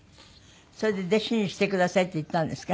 それで弟子にしてくださいって言ったんですか？